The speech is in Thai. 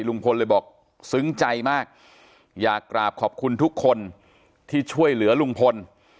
ลุงพลเลยบอกซึ้งใจมากอยากกราบขอบคุณทุกคนที่ช่วยเหลือลุงพล